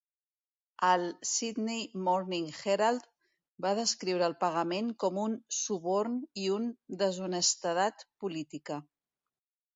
El "Sydney Morning Herald" va descriure el pagament com un "suborn" i un "deshonestedat política".